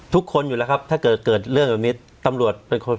ทุกคนอยู่แล้วครับถ้าเกิดเกิดเรื่องแบบนี้ตำรวจเป็นคน